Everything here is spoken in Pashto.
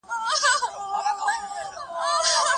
دغه مڼه تر هغې بلي خوږه ده.